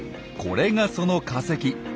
これがその化石。